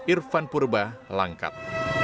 irfan purba langkat